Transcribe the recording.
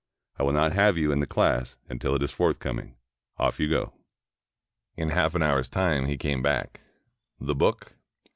I will not have you in the class until it is forthcoming. Off you go." 401 PERSIA In half an hour's time he came back. "The book?"